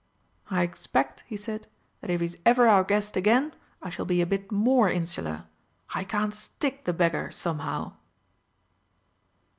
"I expect," he said, "that if he's ever our guest again, I shall be a bit more insular. I can't stick the beggar, somehow!"